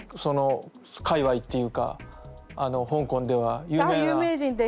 その界わいっていうかあの香港では有名な。